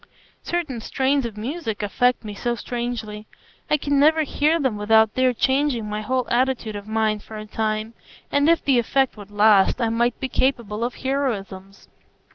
Certain strains of music affect me so strangely; I can never hear them without their changing my whole attitude of mind for a time, and if the effect would last, I might be capable of heroisms."